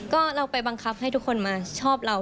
ก็เราไปบังคับให้ทุกคนมาชอบเรา